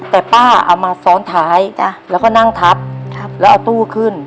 แต่ป้าเอามาซ้อนท้ายแล้วก็นั่งทับแล้วเอาตู้ขึ้น